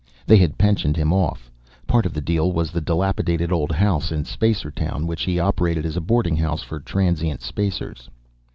They had pensioned him off. Part of the deal was the dilapidated old house in Spacertown which he operated as a boarding house for transient Spacers.